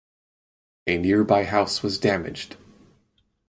A nearby house was damaged.